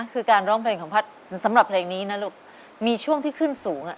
คือการร้องเพลงของพัดสำหรับเพลงนี้นะลูกมีช่วงที่ขึ้นสูง